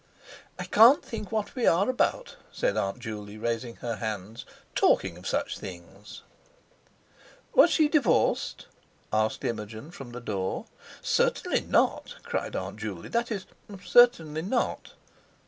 "I can't think what we are about," said Aunt Juley, raising her hands, "talking of such things!" "Was she divorced?" asked Imogen from the door. "Certainly not," cried Aunt Juley; "that is—certainly not."